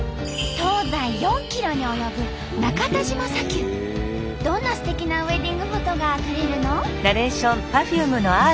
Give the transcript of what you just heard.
東西４ｋｍに及ぶどんなすてきなウエディングフォトが撮れるの？